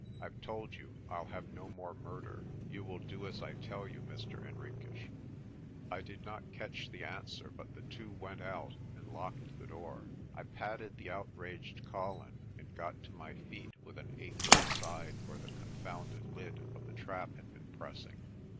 "I've told you I'll have no more murder. You will do as I tell you, Mr. Henriques." I did not catch the answer but the two went out and locked the door. I patted the outraged Colin, and got to my feet with an aching side where the confounded lid of the trap had been pressing.